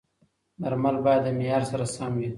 درمل باید د معیار سره سم وي.